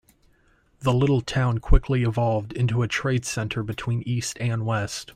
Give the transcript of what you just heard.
The little town quickly evolved into a trade center between east and west.